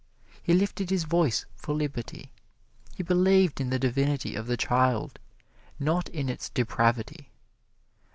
He lifted his voice for liberty. He believed in the divinity of the child, not in its depravity.